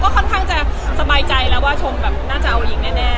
เค้าค่อนข้างจะสบายใจแล้วว่าทรงแบบน่าจะเอาอีงแน่แน่